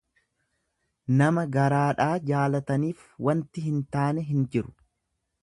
Nama garaadhaa jaalataniif wanti hin taane hin jiru.